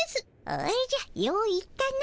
おじゃよう言ったの。